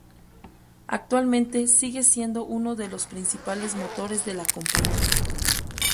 Actualmente sigue siendo uno de los principales motores de la compañía.